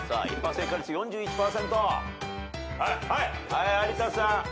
はい有田さん。